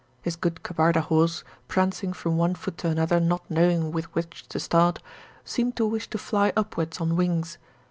His good Kabarda horse, prancing from one foot to another not knowing with which to start, seemed to wish to fly upwards on wings.